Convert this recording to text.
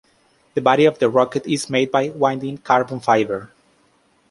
The body of the rocket is made by winding carbon fiber.